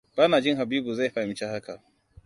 Ba na jin Habibu zai fahimci haka.